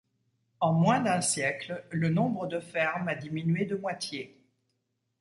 En moins d'un siècle, le nombre de fermes a diminué de moitié.